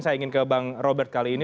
saya ingin ke bang robert kali ini